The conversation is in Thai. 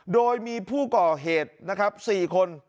โดยมีผู้ก่อเหตุสี่คน